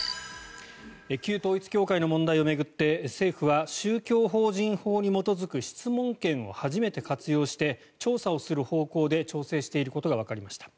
旧統一教会の問題を巡って政府は宗教法人法に基づく質問権を初めて活用して調査をする方向で調整していることがわかりました。